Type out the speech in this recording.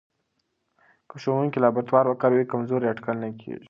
که ښوونکی لابراتوار وکاروي، کمزوری اټکل نه کېږي.